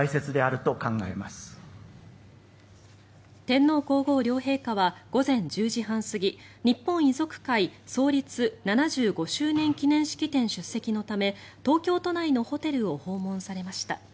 天皇・皇后両陛下は午前１０時半過ぎ日本遺族会創立７５周年記念式典出席のため東京都内のホテルを訪問されました。